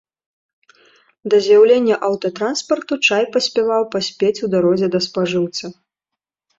Да з'яўлення аўтатранспарту чай паспяваў паспець у дарозе да спажыўца.